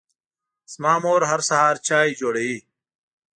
زما مور هر سهار چای جوړوي.